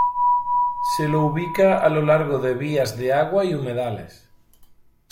Se lo ubica a lo largo de vías de agua y humedales.